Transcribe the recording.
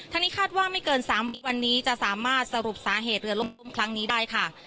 นี้คาดว่าไม่เกิน๓วันนี้จะสามารถสรุปสาเหตุเรือล่มตุ้มครั้งนี้ได้ค่ะ